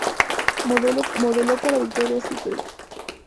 Modeló para Victoria's Secret.